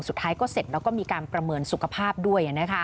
สุดท้ายก็เสร็จแล้วก็มีการประเมินสุขภาพด้วย